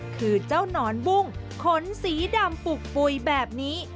คือเจ้าหนอนบุ้งขนสีดำปลูกปุ๋ยแบบนี้